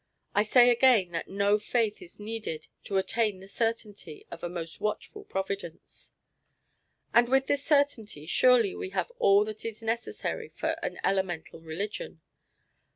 I say again that no faith is needed to attain the certainty of a most watchful Providence. And with this certainty surely we have all that is necessary for an elemental religion.